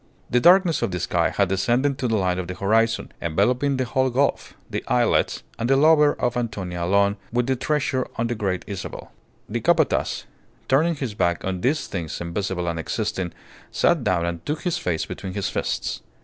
The darkness of the sky had descended to the line of the horizon, enveloping the whole gulf, the islets, and the lover of Antonia alone with the treasure on the Great Isabel. The Capataz, turning his back on these things invisible and existing, sat down and took his face between his fists.